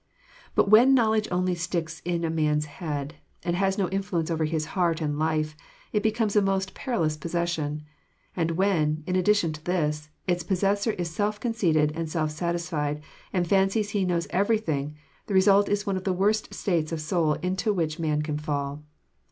But when knowledge only sticks in a man's head, and has no influence over his heart and life, it becomes a most perilous possession. And when, in addition to this, its possessor is self conceited and self satisfied, and fancies he knows everything, the result is one of the worst states of soul into which man can fall.